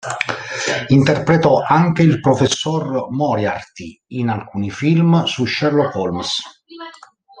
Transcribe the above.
Interpretò anche il Professor Moriarty in alcuni film su Sherlock Holmes.